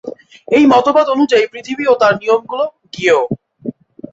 এই মতবাদ অনুযায়ী, পৃথিবী ও তার নিয়মগুলি জ্ঞেয়।